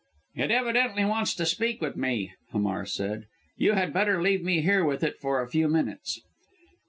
"It evidently wants to speak with me," Hamar said; "you had better leave me here with it for a few minutes."